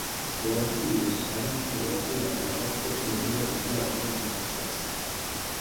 Nshobora kwibeshya ariko ndatekereza ko imvura izagwa nyuma ya saa sita